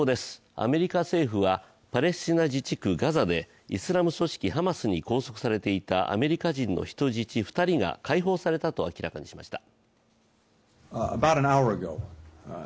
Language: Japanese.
アメリカ政府はパレスチナ自治区ガザでイスラム組織ハマスに拘束されていたアメリカ人の人質２人が解放されたと明らかにしました。